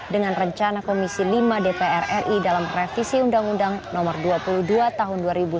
dengan rencana komisi lima dpr ri dalam revisi undang undang no dua puluh dua tahun dua ribu sembilan